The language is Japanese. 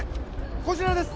こちらです